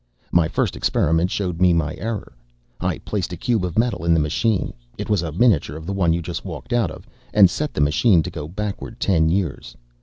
"My first experiment showed me my error. I placed a cube of metal in the machine it was a miniature of the one you just walked out of and set the machine to go backward ten years.